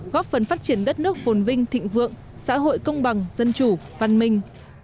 góp phần phát triển đất nước phồn vinh thịnh vượng xã hội công bằng dân chủ văn minh